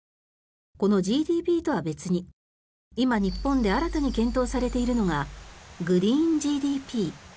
このＧＤＰとは別に今、日本で新たに検討されているのがグリーンＧＤＰ。